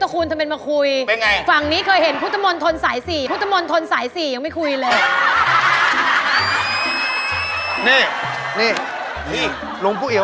ก็เรียกว่าเหนียว